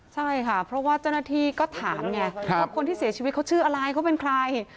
ใช่ค่ะเพราะว่าเจ้าหน้าที่ก็ถามไงว่าคนที่เสียชีวิตเขาชื่ออะไรเขาเป็นใคร